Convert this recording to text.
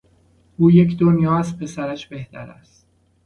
او یک دنیا از پسرش بهتر است.